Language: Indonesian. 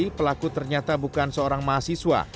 pelaku ternyata bukan seorang mahasiswa